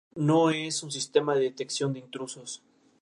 No es un sistema de detección de intrusos.